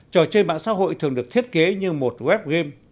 trò chơi mạng xã hội thường được thiết kế như một web game